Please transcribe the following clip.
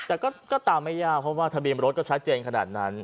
แต่ก็ตามไม่ยากเพราะว่าทะเบียนรถก็ชัดเจนขนาดนั้น